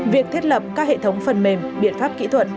việc thiết lập các hệ thống phần mềm biện pháp kỹ thuật